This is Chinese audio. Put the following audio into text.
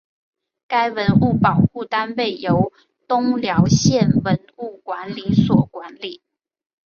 该文物保护单位由东辽县文物管理所管理。